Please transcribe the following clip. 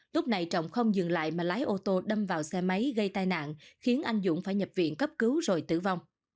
lúc này trọng không dừng lại mà lái ô tô đâm vào xe máy gây tai nạn khiến anh dũng phải nhập viện cấp cứu rồi tử vong